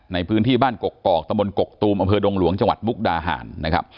ในพื้นที่บ้านกกกอกตมกกตูมอดงหลวงจมุกดาห่านนะครับ